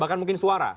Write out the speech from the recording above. bahkan mungkin suara